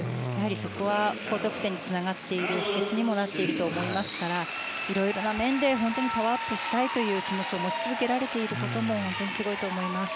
そこは高得点につながっている秘訣にもなっていると思いますからいろいろな面でパワーアップをしたいという気持ちを持ち続けられていることも本当にすごいと思います。